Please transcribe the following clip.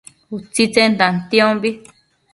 utsitsen tantiombi